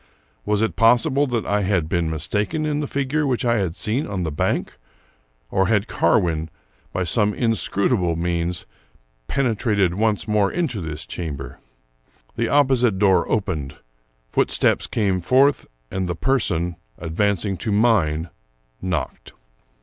Was it possible that I had been mistaken in the figure which I had seen on the bank? or had Carwin, by some inscrutable means, penetrated once more into this chamber? The opposite door opened; foot steps came forth, and the person, advancing to mine, knocked.